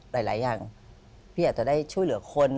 หลายอย่างพี่อาจจะได้ช่วยเหลือคน